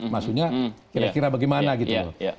maksudnya kira kira bagaimana gitu loh